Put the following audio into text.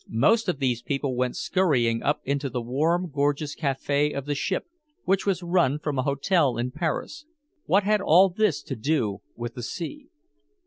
Most of these people went hurrying up into the warm, gorgeous café of the ship, which was run from a hotel in Paris. What had all this to do with the sea?